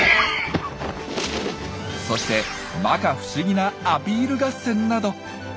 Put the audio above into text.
そしてまか不思議なアピール合戦など。